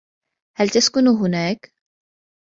هل تسكن هناك ؟